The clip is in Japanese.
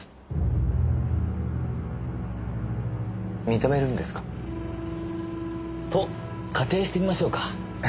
認めるんですか？と仮定してみましょうか。